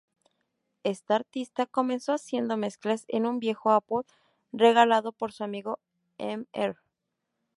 Este artista comienza haciendo mezclas en un viejo Apple regalado por su amigo Mr.